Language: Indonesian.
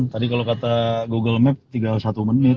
tadi kalau kata google map tiga puluh satu menit